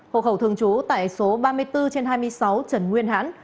hộ khẩu thường trú tại số ba mươi bốn trên hai mươi sáu trần nguyên hãn